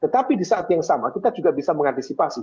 tetapi di saat yang sama kita juga bisa mengantisipasi